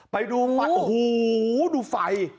ไปดูไฟโอ้โหดูไฟ